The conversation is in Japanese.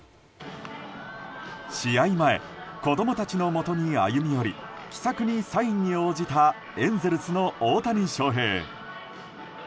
試合前、子供たちのもとに歩み寄り気さくにサインに応じたエンゼルスの大谷翔平。